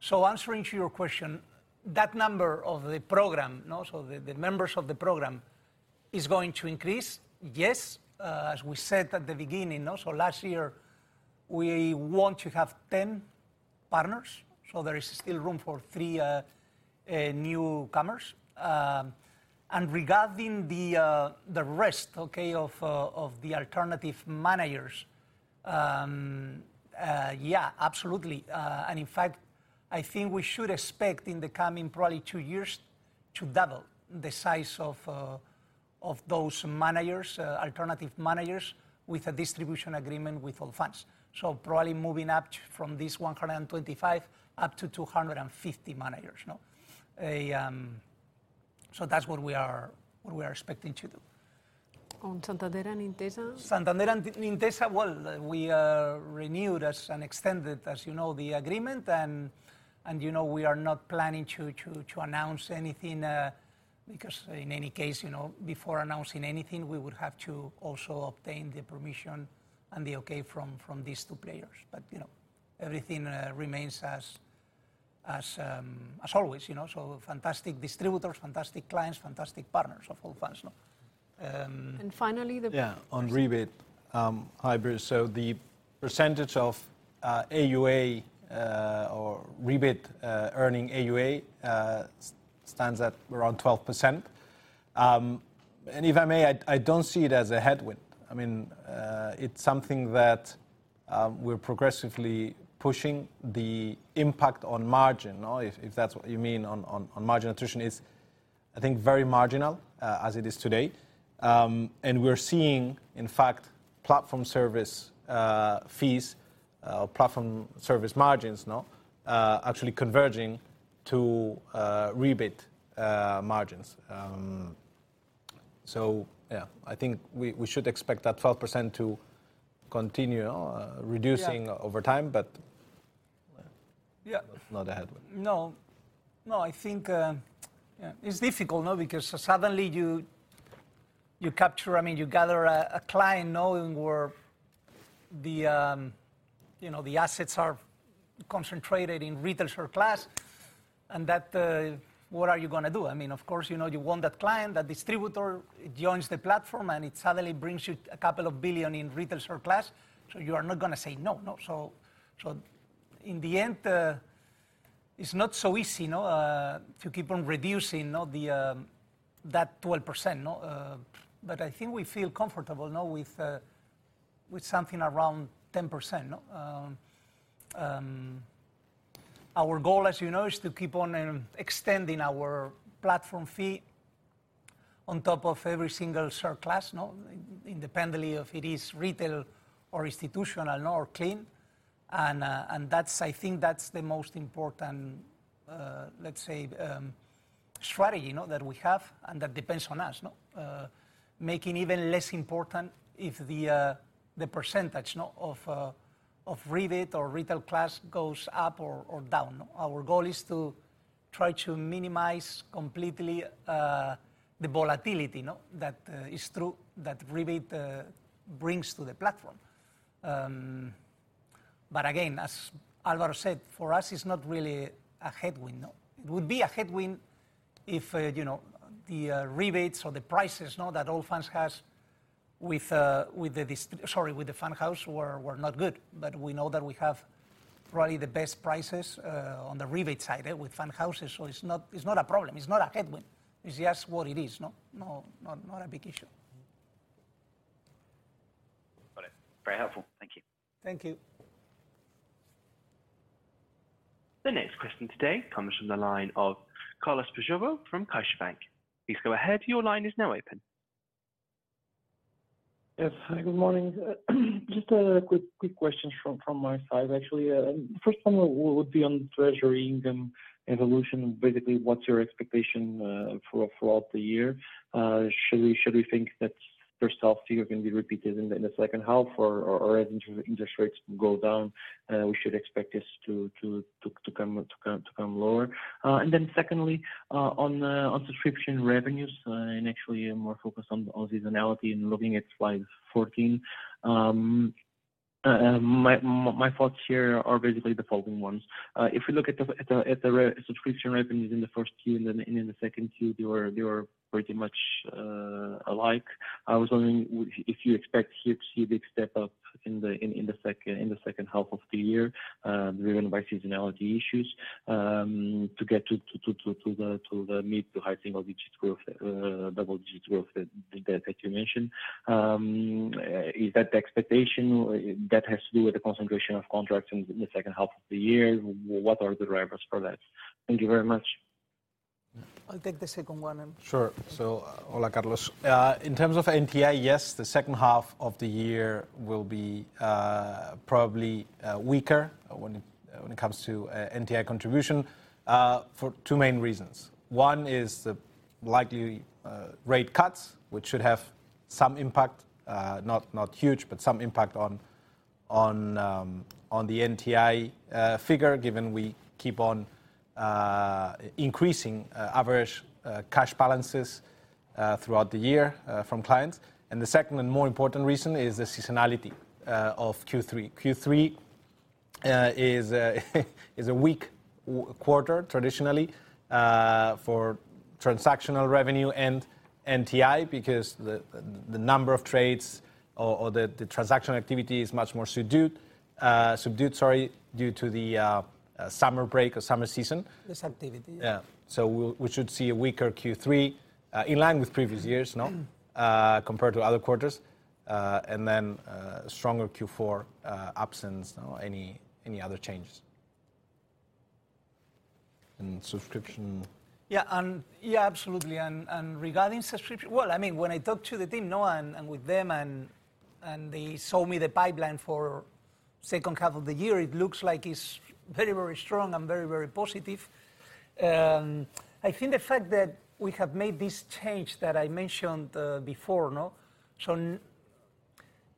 So answering to your question, that number of the program, so the members of the program, is going to increase, yes, as we said at the beginning. So last year, we want to have 10 partners, so there is still room for 3 newcomers. And regarding the rest of the alternative managers, yeah, absolutely. And in fact, I think we should expect in the coming probably 2 years to double the size of those managers, alternative managers, with a distribution agreement with Allfunds. So probably moving up from these 125 up to 250 managers. So that's what we are expecting to do. On Santander and Intesa? Santander and Intesa, well, we renewed and extended, as you know, the agreement. And we are not planning to announce anything because in any case, before announcing anything, we would have to also obtain the permission and the okay from these two players. But everything remains as always. So fantastic distributors, fantastic clients, fantastic partners of Allfunds. And finally. Yeah, on rebate. Hi, Bruce. So the percentage of AUA or rebate-earning AUA stands at around 12%. And if I may, I don't see it as a headwind. I mean, it's something that we're progressively pushing. The impact on margin, if that's what you mean on margin attrition, is, I think, very marginal as it is today. And we're seeing, in fact, platform service fees or platform service margins actually converging to rebate margins. So yeah, I think we should expect that 12% to continue reducing over time, but not a headwind. No. No, I think it's difficult because suddenly you capture, I mean, you gather a client where the assets are concentrated in retail share class. And what are you going to do? I mean, of course, you want that client, that distributor joins the platform, and it suddenly brings you 2 billion in retail share class. So you are not going to say no. So in the end, it's not so easy to keep on reducing that 12%. But I think we feel comfortable with something around 10%. Our goal, as you know, is to keep on extending our platform fee on top of every single share class, independently of if it is retail or institutional or clean. And I think that's the most important, let's say, strategy that we have, and that depends on us, making it even less important if the percentage of rebate or retail class goes up or down. Our goal is to try to minimize completely the volatility that is true that rebate brings to the platform. But again, as Álvaro said, for us, it's not really a headwind. It would be a headwind if the rebates or the prices that Allfunds has with the fund house were not good. But we know that we have probably the best prices on the rebate side with fund houses, so it's not a problem. It's not a headwind. It's just what it is. Not a big issue. Got it. Very helpful. Thank you. Thank you. The next question today comes from the line of Carlos Peixoto from CaixaBank. Please go ahead. Your line is now open. Yes. Hi, good morning. Just a quick question from my side, actually. The first one would be on treasury income evolution. Basically, what's your expectation throughout the year? Should we think that your style figure can be repeated in the second half, or as interest rates go down, we should expect this to come lower? And then secondly, on subscription revenues, and actually more focused on seasonality and looking at slide 14, my thoughts here are basically the following ones. If we look at the subscription revenues in the first year and in the second year, they were pretty much alike. I was wondering if you expect here to see a big step up in the second half of the year driven by seasonality issues to get to the mid to high single-digit growth, double-digit growth that you mentioned. Is that the expectation? That has to do with the concentration of contracts in the second half of the year. What are the drivers for that? Thank you very much. I'll take the second one. Sure. So hola, Carlos. In terms of NTI, yes, the second half of the year will be probably weaker when it comes to NTI contribution for two main reasons. One is the likely rate cuts, which should have some impact, not huge, but some impact on the NTI figure, given we keep on increasing average cash balances throughout the year from clients. And the second and more important reason is the seasonality of Q3. Q3 is a weak quarter traditionally for transactional revenue and NTI because the number of trades or the transactional activity is much more subdued due to the summer break or summer season. This activity. Yeah. So we should see a weaker Q3 in line with previous years compared to other quarters, and then stronger Q4 absent any other changes. And subscription. Yeah. Yeah, absolutely. And regarding subscription, well, I mean, when I talked to the team and with them, and they showed me the pipeline for the second half of the year, it looks like it's very, very strong and very, very positive. I think the fact that we have made this change that I mentioned before, so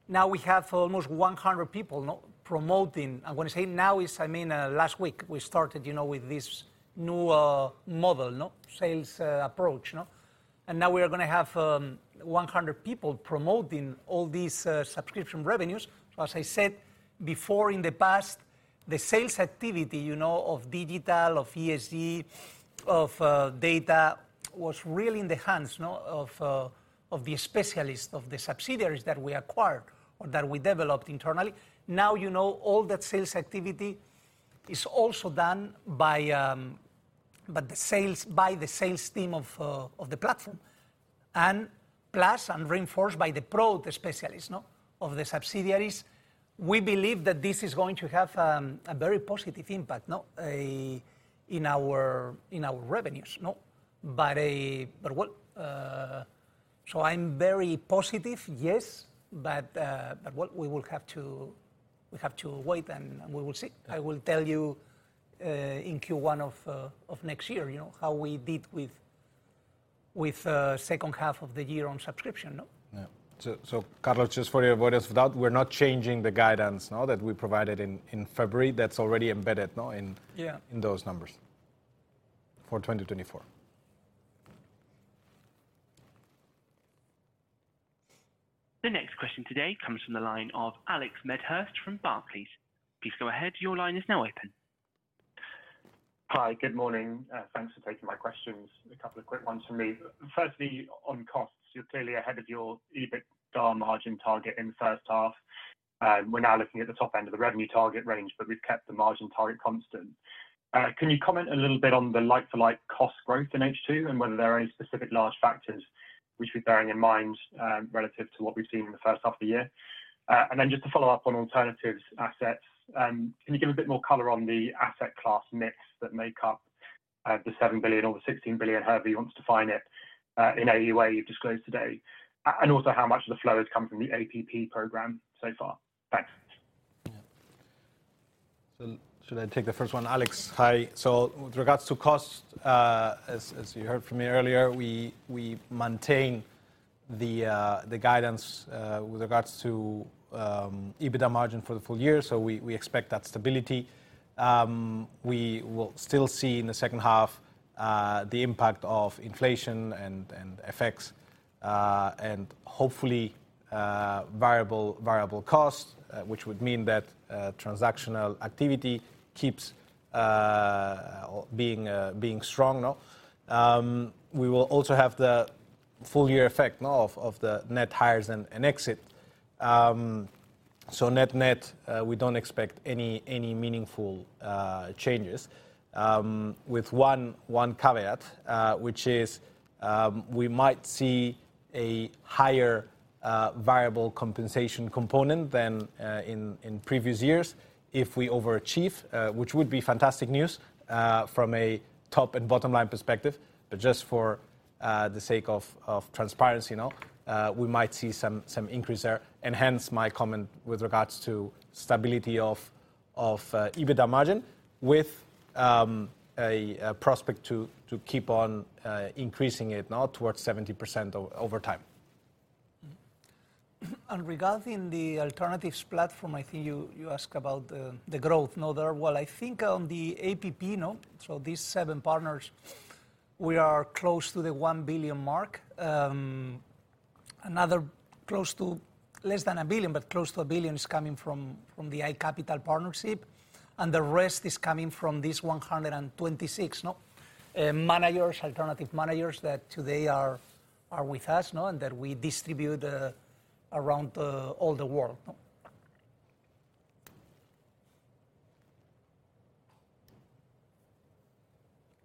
now we have almost 100 people promoting. I want to say now is, I mean, last week we started with this new model sales approach. And now we are going to have 100 people promoting all these subscription revenues. As I said before, in the past, the sales activity of digital, of ESG, of data was really in the hands of the specialists of the subsidiaries that we acquired or that we developed internally. Now all that sales activity is also done by the sales team of the platform, and plus and reinforced by the proud specialists of the subsidiaries. We believe that this is going to have a very positive impact in our revenues. But so I'm very positive, yes, but we will have to wait and we will see. I will tell you in Q1 of next year how we did with the second half of the year on subscription. Yeah. So Carlos, just for your awareness of that, we're not changing the guidance that we provided in February. That's already embedded in those numbers for 2024. The next question today comes from the line of Alex Medhurst from Barclays. Please go ahead. Your line is now open. Hi, good morning. Thanks for taking my questions. A couple of quick ones from me. Firstly, on costs, you're clearly ahead of your EBITDA margin target in the first half. We're now looking at the top end of the revenue target range, but we've kept the margin target constant. Can you comment a little bit on the like-for-like cost growth in H2 and whether there are any specific large factors which we're bearing in mind relative to what we've seen in the first half of the year? And then just to follow up on alternatives assets, can you give a bit more color on the asset class mix that makes up the 7 billion or the 16 billion, however you want to define it, in AUA you've disclosed today? And also how much of the flow has come from the APP program so far? Thanks. Yeah. So should I take the first one? Alex, hi. With regards to costs, as you heard from me earlier, we maintain the guidance with regards to EBITDA margin for the full year. We expect that stability. We will still see in the second half the impact of inflation and FX and hopefully variable costs, which would mean that transactional activity keeps being strong. We will also have the full year effect of the net hires and exit. Net net, we don't expect any meaningful changes with one caveat, which is we might see a higher variable compensation component than in previous years if we overachieve, which would be fantastic news from a top and bottom line perspective. But just for the sake of transparency, we might see some increase there. Hence my comment with regards to stability of EBITDA margin with a prospect to keep on increasing it towards 70% over time. Regarding the alternatives platform, I think you asked about the growth. Well, I think on the APP, so these 7 partners, we are close to the 1 billion mark. Another close to less than 1 billion, but close to 1 billion is coming from the iCapital partnership. And the rest is coming from these 126 managers, alternative managers that today are with us and that we distribute around all the world.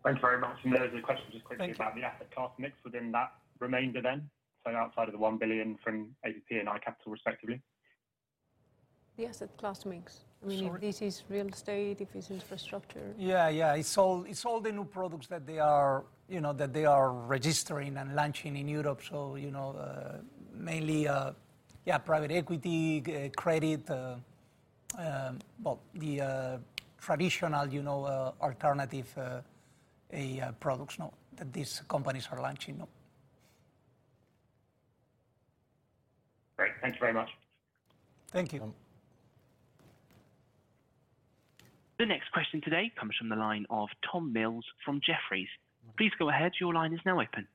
Thanks very much. Those are the questions just quickly about the asset class mix within that remainder then, so outside of the 1 billion from APP and iCapital respectively. The asset class mix? I mean, this is real estate, if it's infrastructure. Yeah, yeah. It's all the new products that they are registering and launching in Europe. So mainly, yeah, private equity, credit, well, the traditional alternative products that these companies are launching. Great. Thanks very much. Thank you. The next question today comes from the line of Tom Mills from Jefferies. Please go ahead. Your line is now open.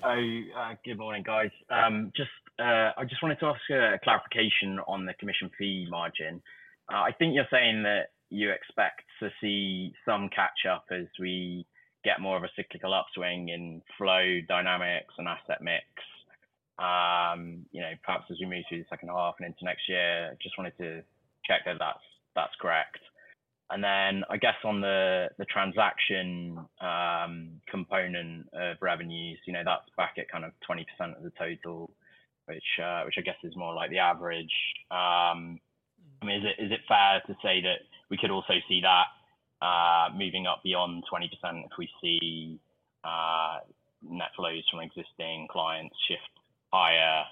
Hi, good morning, guys. I just wanted to ask a clarification on the commission fee margin. I think you're saying that you expect to see some catch-up as we get more of a cyclical upswing in flow dynamics and asset mix, perhaps as we move through the second half and into next year. I just wanted to check that that's correct. And then I guess on the transaction component of revenues, that's back at kind of 20% of the total, which I guess is more like the average. I mean, is it fair to say that we could also see that moving up beyond 20% if we see net flows from existing clients shift higher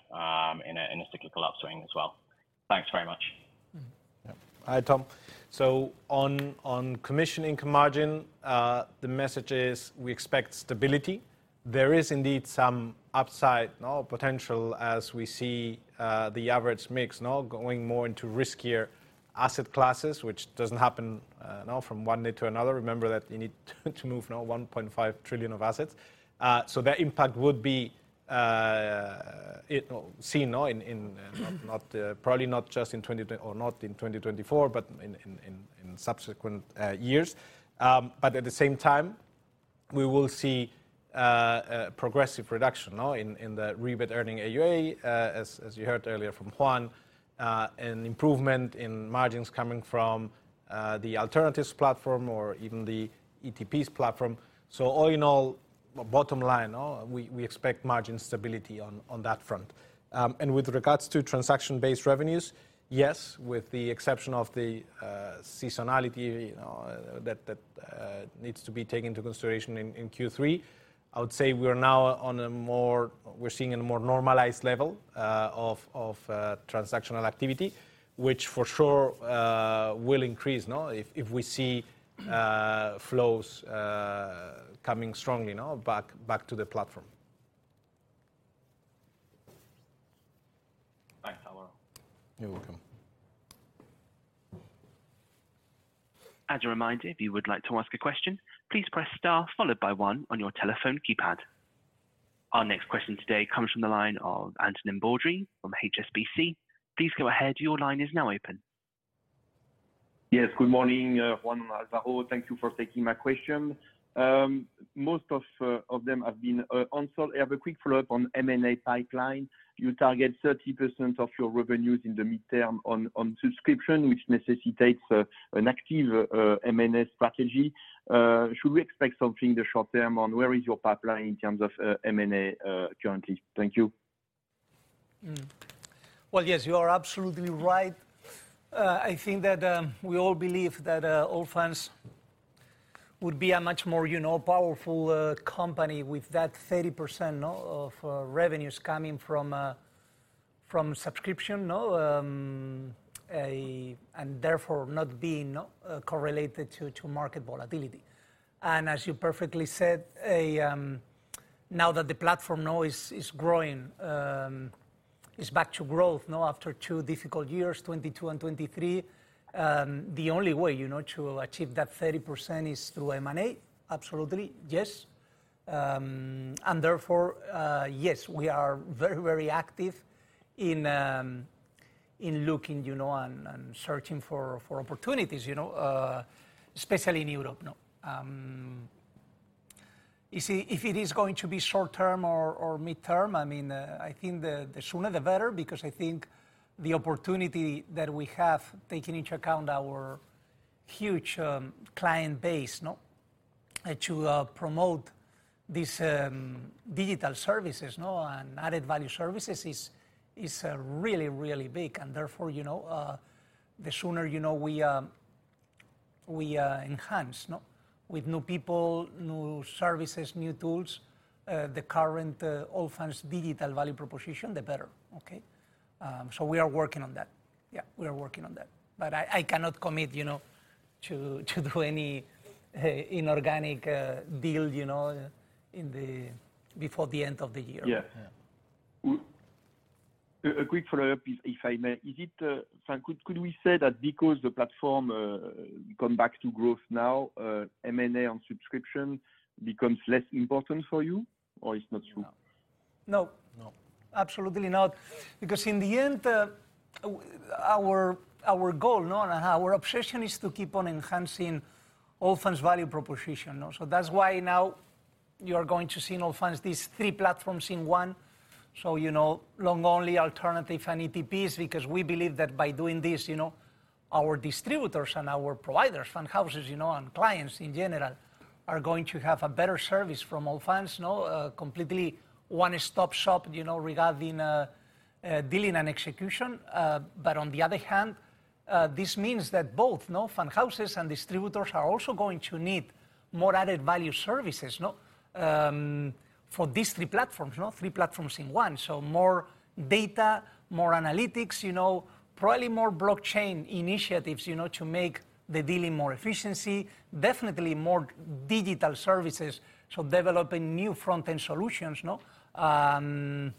in a cyclical upswing as well? Thanks very much. Hi, Tom. So on commission income margin, the message is we expect stability. There is indeed some upside potential as we see the average mix going more into riskier asset classes, which doesn't happen from one day to another. Remember that you need to move 1.5 trillion of assets. So that impact would be seen probably not just in 2024 or not in 2024, but in subsequent years. But at the same time, we will see a progressive reduction in the rebate-bearing AUA, as you heard earlier from Juan, and improvement in margins coming from the alternatives platform or even the ETPs platform. So all in all, bottom line, we expect margin stability on that front. And with regards to transaction-based revenues, yes, with the exception of the seasonality that needs to be taken into consideration in Q3, I would say we're now seeing a more normalized level of transactional activity, which for sure will increase if we see flows coming strongly back to the platform. Thanks, Álvaro. You're welcome. As a reminder, if you would like to ask a question, please press star followed by one on your telephone keypad. Our next question today comes from the line of Antonin Baudry from HSBC. Please go ahead. Your line is now open. Yes, good morning, Juan and Álvaro. Thank you for taking my question. Most of them have been answered. I have a quick follow-up on M&A pipeline. You target 30% of your revenues in the midterm on subscription, which necessitates an active M&A strategy. Should we expect something in the short term on where is your pipeline in terms of M&A currently? Thank you. Well, yes, you are absolutely right. I think that we all believe that Allfunds would be a much more powerful company with that 30% of revenues coming from subscription and therefore not being correlated to market volatility. And as you perfectly said, now that the platform is growing, it's back to growth after two difficult years, 2022 and 2023. The only way to achieve that 30% is through M&A. Absolutely, yes. And therefore, yes, we are very, very active in looking and searching for opportunities, especially in Europe. If it is going to be short term or midterm, I mean, I think the sooner the better because I think the opportunity that we have, taking into account our huge client base to promote these digital services and added value services is really, really big. And therefore, the sooner we enhance with new people, new services, new tools, the current Allfunds Digital value proposition, the better. Okay? So we are working on that. Yeah, we are working on that. But I cannot commit to do any inorganic deal before the end of the year. Yeah. A quick follow-up, if I may. Is it could we say that because the platform, we come back to growth now, M&A on subscription becomes less important for you or it's not true? No. No. Absolutely not. Because in the end, our goal and our obsession is to keep on enhancing Allfunds value proposition. So that's why now you are going to see in Allfunds these three platforms in one. So long-only alternative and ETPs because we believe that by doing this, our distributors and our providers, fund houses and clients in general are going to have a better service from Allfunds, completely one-stop shop regarding dealing and execution. But on the other hand, this means that both fund houses and distributors are also going to need more added value services for these three platforms, three platforms in one. So more data, more analytics, probably more blockchain initiatives to make the dealing more efficient, definitely more digital services. So developing new front-end solutions, more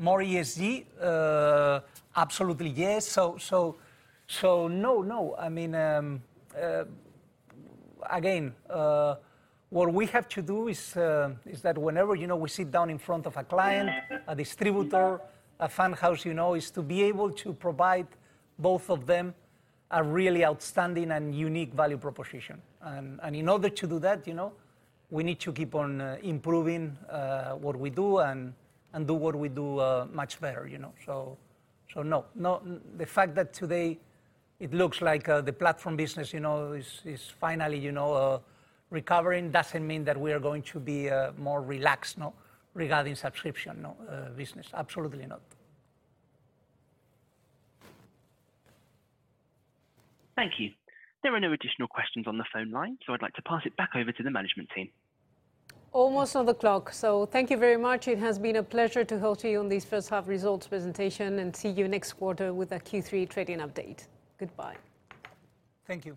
ESG, absolutely yes. So no, no. I mean, again, what we have to do is that whenever we sit down in front of a client, a distributor, a fund house, is to be able to provide both of them a really outstanding and unique value proposition. And in order to do that, we need to keep on improving what we do and do what we do much better. So no, the fact that today it looks like the platform business is finally recovering doesn't mean that we are going to be more relaxed regarding subscription business. Absolutely not. Thank you. There are no additional questions on the phone line, so I'd like to pass it back over to the management team. Almost out of the clock. So thank you very much. It has been a pleasure to hear you on this first half results presentation and see you next quarter with a Q3 trading update. Goodbye. Thank you.